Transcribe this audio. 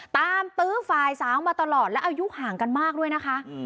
ตื้อฝ่ายสาวมาตลอดและอายุห่างกันมากด้วยนะคะ